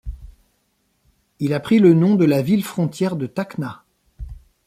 Il a pris le nom de la ville frontière de Tacna.